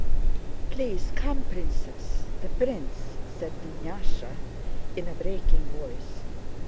"Please come, Princess... The Prince," said Dunyásha in a breaking voice.